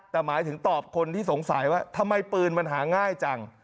แต่หมายถึงตอบคนที่สงสัยว่าทำไมปืนมันหาง่ายจัง